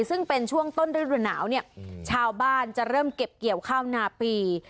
ซึ่งเป็นช่วงต้นฤดูหนาวเนี่ยชาวบ้านจะเริ่มเก็บเกี่ยวข้าวนาปี